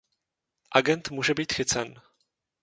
Agent může být chycen.